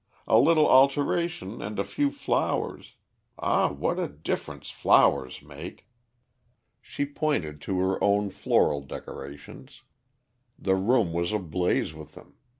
A little alteration and a few flowers ah, what a difference flowers make!" She pointed to her own floral decorations. The room was ablaze with them.